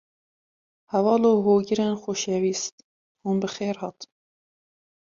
Heval û Hogirên Xoşewîst, hûn bi xêr hatin